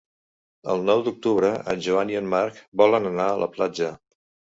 El nou d'octubre en Joan i en Marc volen anar a la platja.